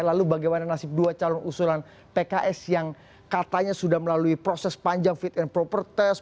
lalu bagaimana nasib dua calon usulan pks yang katanya sudah melalui proses panjang fit and proper test